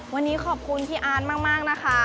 วันนี้ขอบคุณพี่อาร์ดมากนะคะ